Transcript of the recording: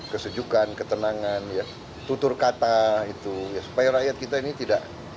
kesejukan ketenangan tutur kata supaya rakyat kita ini tidak